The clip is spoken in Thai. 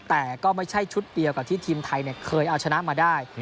แต่ก็ไม่ใช่ชุดเดียวกับที่ทีมไทยเคยเอาชนะมาได้